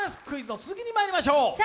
クイズの続きにまいりましょう。